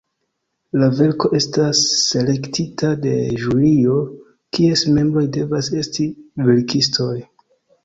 La verko estas selektita de ĵurio, kies membroj devas esti verkistoj.